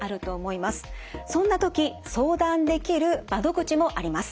そんな時相談できる窓口もあります。